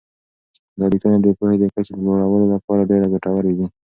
دا لیکنې د پوهې د کچې د لوړولو لپاره ډېر ګټورې دي.